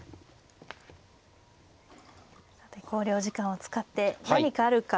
さて考慮時間を使って何かあるか。